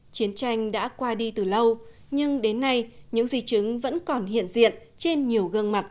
chiến tranh đã qua đi từ lâu nhưng đến nay những di chứng vẫn còn hiện diện trên nhiều gương mặt